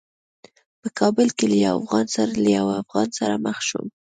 په کابل کې له یوه افغان سره مخ شوم.